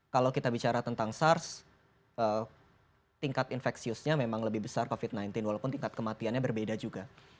kalau kita bicara tentang sars tingkat infeksiusnya memang lebih besar covid sembilan belas walaupun tingkat kematiannya berbeda juga